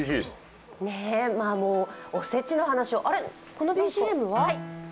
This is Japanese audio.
もう、おせちの話あら、このＢＧＭは？